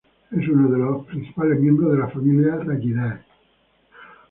Es uno de los principales miembros de la familia "Rallidae".